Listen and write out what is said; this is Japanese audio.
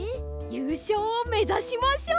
ゆうしょうをめざしましょう！